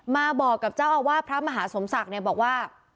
มาบอกกับเจ้าอาวาสพระมหาสมศักดิ์เนี่ยบอกว่า